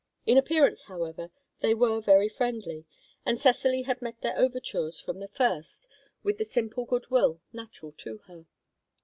In appearance, however, they were very friendly, and Cecily had met their overtures from the first with the simple goodwill natural to her.